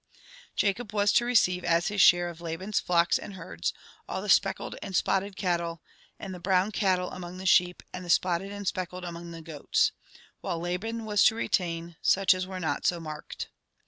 Jacob was to receive as his share of Laban's flocks and herds "all the speckled and spotted cattle, and all the brown cattle among the sheep, and the spotted and speckled among the goats," while Laban was to retain such as were not so marked.